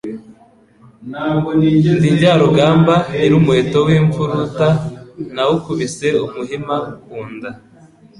Ndi Njyarugamba..Nyili umuheto w'imfuruta nawukubise umuhima ku nda,